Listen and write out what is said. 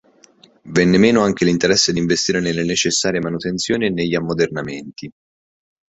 Venne meno anche l'interesse ad investire nelle necessarie manutenzioni e negli ammodernamenti.